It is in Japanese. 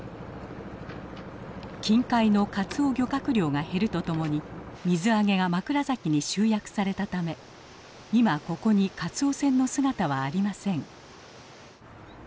近海のかつお漁獲量が減るとともに水揚げが枕崎に集約されたため今ここにかつお船の姿はありません。